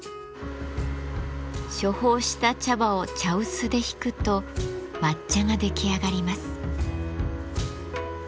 処方した茶葉を茶臼でひくと抹茶が出来上がります。